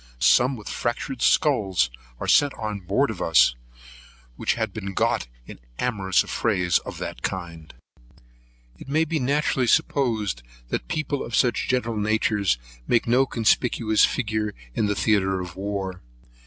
Some with fractured skulls were sent on board of us, which had been got in amorous affrays of that kind. It may naturally be supposed, that people of such gentle natures make no conspicuous figure in the theatre of war.